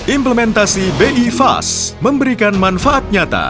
implementasi bi fast memberikan manfaat nyata